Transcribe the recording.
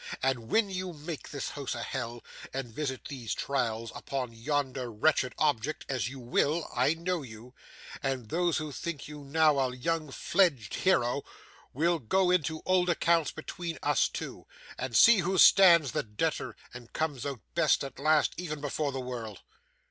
And when you make this house a hell, and visit these trials upon yonder wretched object (as you will; I know you), and those who think you now a young fledged hero, we'll go into old accounts between us two, and see who stands the debtor, and comes out best at last, even before the world.